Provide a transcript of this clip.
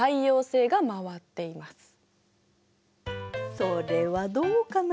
それはどうかな？